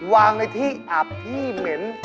วางในที่อับที่เหม็น